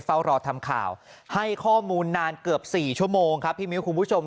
เฝ้ารอทำข่าวให้ข้อมูลนานเกือบ๔ชั่วโมงครับพี่มิ้วคุณผู้ชม